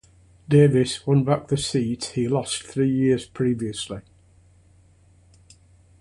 Davies won back the seat he lost three years previously.